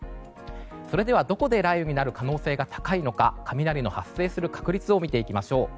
それでは、どこで雷雨になる可能性が高いのか雷の発生する確率を見ていきましょう。